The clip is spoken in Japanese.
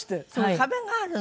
壁があるの。